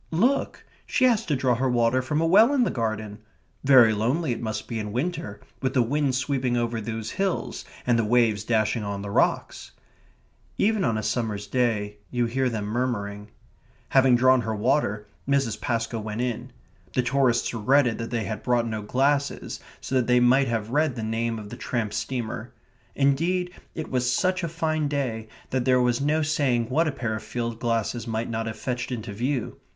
"Look she has to draw her water from a well in the garden." "Very lonely it must be in winter, with the wind sweeping over those hills, and the waves dashing on the rocks." Even on a summer's day you hear them murmuring. Having drawn her water, Mrs. Pascoe went in. The tourists regretted that they had brought no glasses, so that they might have read the name of the tramp steamer. Indeed, it was such a fine day that there was no saying what a pair of field glasses might not have fetched into view.